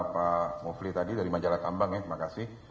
pak mufri tadi dari majalah ambang ya terima kasih